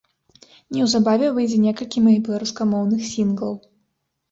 Неўзабаве выйдзе некалькі маіх беларускамоўных сінглаў.